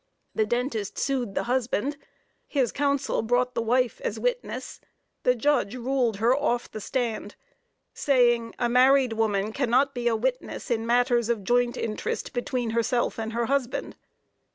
The dentist sued the husband; his counsel brought the wife as witness; the judge ruled her off the stand, saying "a married woman cannot be a witness in matters of joint interest between herself and her husband."